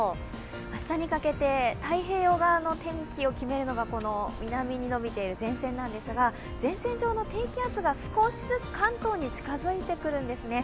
明日にかけて太平洋側の天気を決めるのが南に延びている前線なんですが前線上の低気圧が少し関東に近づいてくるんですね。